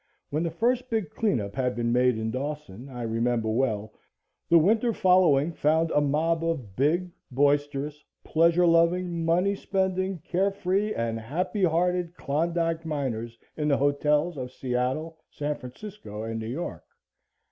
When the first big clean up had been made in Dawson, I remember well, the winter following found a mob of big, boisterous, pleasure loving, money spending, carefree and happy hearted Klondike miners in the hotels of Seattle, San Francisco and New York.